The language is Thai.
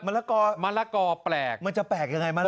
ละกอมะละกอแปลกมันจะแปลกยังไงมัน